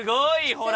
ほら！